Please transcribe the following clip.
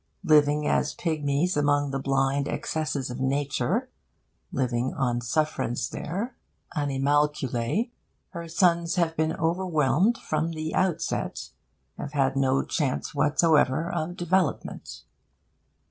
Living as pigmies among the blind excesses of Nature, living on sufferance there, animalculae, her sons have been overwhelmed from the outset, have had no chance whatsoever of development.